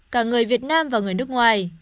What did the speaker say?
cả người việt nam và người nước ngoài